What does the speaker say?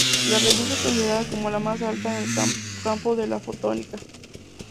La revista es considerada como la más alta en el campo de la fotónica.